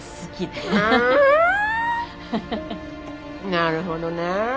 なるほどね。